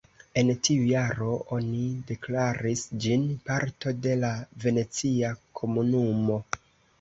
En tiu jaro oni deklaris ĝin parto de la Venecia komunumo.